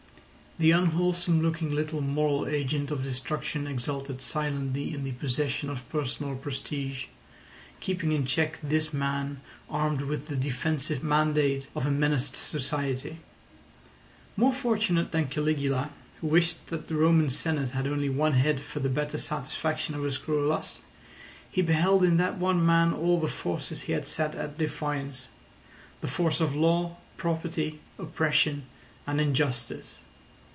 The unwholesome looking little moral agent of destruction exulted silently in the possession of personal prestige, keeping in check this man armed with the defensive mandate of a menaced society. More fortunate than Caligula, who wished that the Roman Senate had only one head for the better satisfaction of his cruel lust, he beheld in that one man all the forces he had set at defiance: the force of law, property, oppression, and injustice.